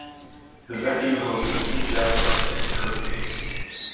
The venue hosted many jazz artists in its early dates.